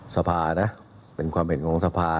สภานะเป็นความเห็นของสภา